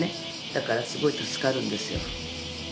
だからすごい助かるんですよ。